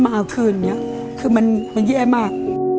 มันเย็บมาก